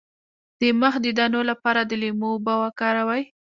د مخ د داغونو لپاره د لیمو اوبه وکاروئ